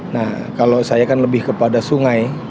nah kalau saya kan lebih kepada sungai